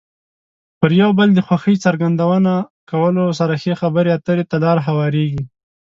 پر یو بل د خوښۍ څرګندونه کولو سره ښې خبرې اترې ته لار هوارېږي.